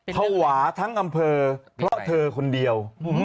ภาวะทั้งอำเภอเพราะเธอคนเดียว